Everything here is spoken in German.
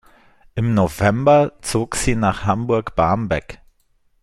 Im November zog sie nach Hamburg-Barmbek.